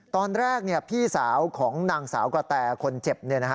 ตอนแรกพี่สาวของนางสาวกะแตคนเจ็บ